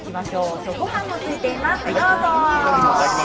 今日は、ごはんもついていますどうぞ。